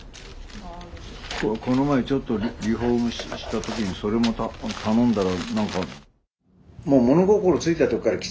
この前ちょっとリリフォームしした時にそれもた頼んだら。